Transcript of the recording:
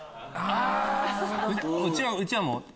うちはもう。